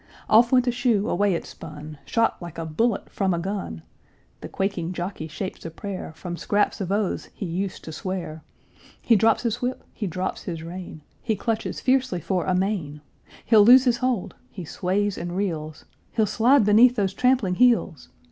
Off went a shoe, away it spun, Shot like a bullet from a gun; The quaking jockey shapes a prayer From scraps of oaths he used to swear; He drops his whip, he drops his rein, He clutches fiercely for a mane; He'll lose his hold he sways and reels He'll slide beneath those trampling heels!